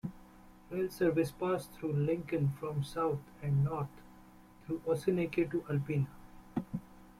Rail service passed through Lincoln from the south and north through Ossineke to Alpena.